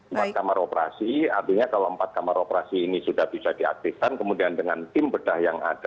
empat kamar operasi artinya kalau empat kamar operasi ini sudah bisa diaktifkan kemudian dengan tim bedah yang ada